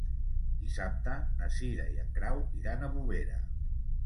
Dissabte na Cira i en Grau iran a Bovera.